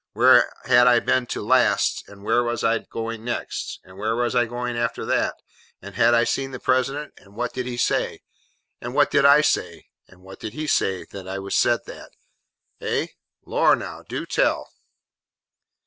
Where had I been to last, and where was I going next, and where was I going after that, and had I seen the President, and what did he say, and what did I say, and what did he say when I had said that? Eh? Lor now! do tell!